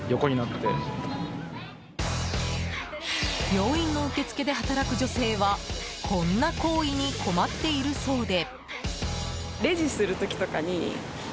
病院の受付で働く女性はこんな行為に困っているそうで。